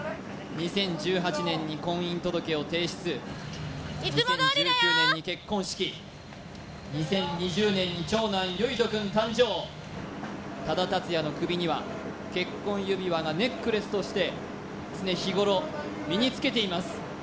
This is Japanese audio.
２０１９年に結婚式２０２０年に長男結仁くん誕生多田竜也の首には結婚指輪がネックレスとして常日頃身につけています